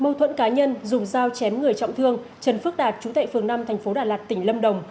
mâu thuẫn cá nhân dùng dao chém người trọng thương trần phước đạt chú tệ phường năm thành phố đà lạt tỉnh lâm đồng